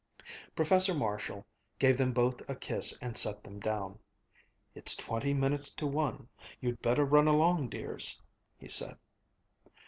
Professor Marshall gave them both a kiss and set them down. "It's twenty minutes to one. You'd better run along, dears," he said.